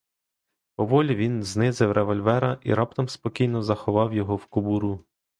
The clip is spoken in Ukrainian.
Поволі він знизив револьвера і раптом спокійно заховав його в кобуру.